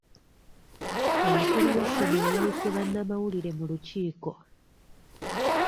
Omukulu w'essomero yayise bannamawulire mu lukiiko.